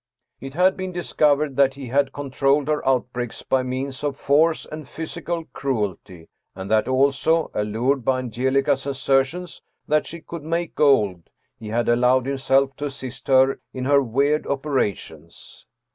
It had been discovered that he had controlled her outbreaks by means of force and physical cruelty; and that also, allured by Angelica's assertions that she could make gold, he had allowed him self to assist her in her weird operations.